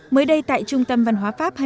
mới đây tại trung tâm văn hóa pháp hai mươi bốn